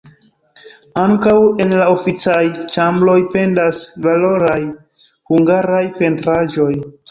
Ankaŭ en la oficaj ĉambroj pendas valoraj hungaraj pentraĵoj.